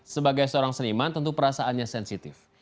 sebagai seorang seniman tentu perasaannya sensitif